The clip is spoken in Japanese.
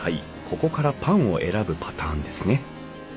ここからパンを選ぶパターンですね。